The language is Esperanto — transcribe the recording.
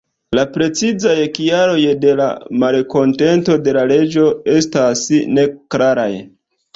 La precizaj kialoj de la malkontento de la reĝo restas neklaraj.